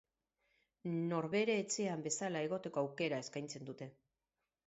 Norbere etxean bezala egoteko aukera eskaintzen dute.